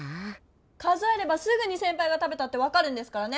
数えればすぐにせんぱいが食べたってわかるんですからね。